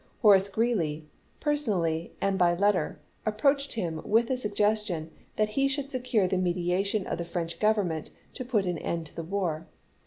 Horace Greeley, personally and by let ter, approached him with a suggestion that he 84 ABKAHAM LINCOLN Chap. IV. sliould secui'e the mediation of the French Govern ment to put an end to the war.